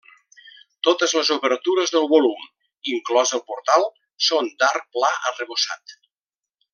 Totes les obertures del volum, inclòs el portal, són d'arc pla arrebossat.